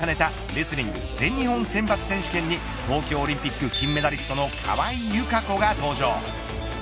パリオリンピックの代表選考をかねたレスリング全日本選抜選手権に東京オリンピック金メダリストの川井友香子が登場。